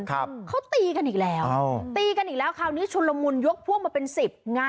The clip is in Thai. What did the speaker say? เขาตีกันอีกแล้วตีกันอีกแล้วคราวนี้ชุลมรมูลยกพวกมาเป็นสิบ